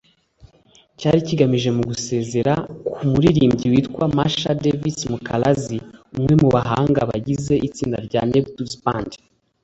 cyari kigamije gusezera ku muririmbyi witwa Masha Davids Mukalazi umwe mu bahanga bagize itsinda rya Neptunez Band